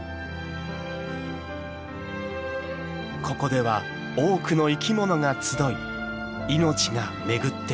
ここでは多くの生きものが集い命が巡っていきます。